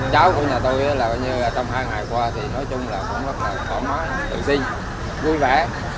cháu của nhà tôi là trong hai ngày qua thì nói chung là cũng rất là khó mát tự tin vui vẻ